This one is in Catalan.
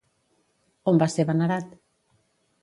On va ser venerat?